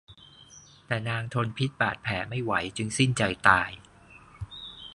แต่นางทนพิษบาดแผลไม่ไหวจึงสิ้นใจตาย